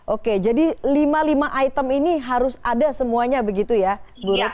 oke jadi lima puluh lima item ini harus ada semuanya begitu ya ibu rut